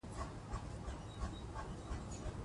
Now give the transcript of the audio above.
پاڼ او دیوال رانړاوه سو.